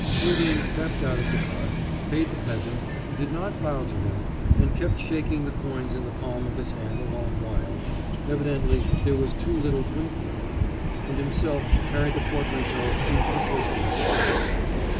Rudin crept out of the cart, paid the peasant (who did not bow to him, and kept shaking the coins in the palm of his hand a long while evidently there was too little drink money) and himself carried the portmanteau into the posting station.